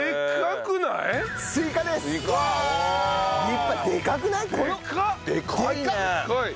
立派でかくない？